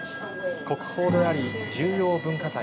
国宝であり重要文化財。